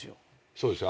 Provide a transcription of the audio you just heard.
そうですよ。